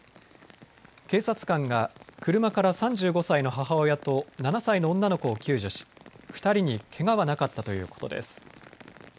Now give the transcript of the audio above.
警察官が車から３５歳の母親と７歳の女の子を救助し２人にけがはなかったということです。